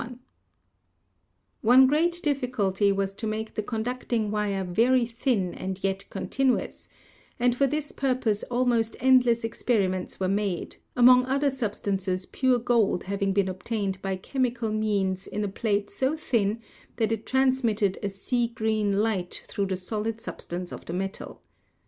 "One great difficulty was to make the conducting wire very thin and yet continuous, and for this purpose almost endless experiments were made, among other substances pure gold having been obtained by chemical means in a plate so thin that it transmitted a sea green light through the solid substance of the metal.